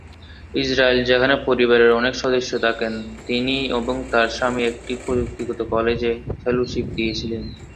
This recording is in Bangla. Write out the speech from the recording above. ইসরায়েলে, যেখানে পরিবারের অনেক সদস্য থাকেন, তিনি এবং তার স্বামী একটি প্রযুক্তিগত কলেজে ফেলোশিপ দিয়েছিলেন।